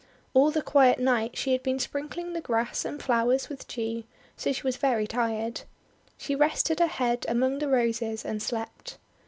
All the quiet night she had been sprinkling the grass and flowers with Dew, so she was very tired. She rested her head among the Roses, and slept.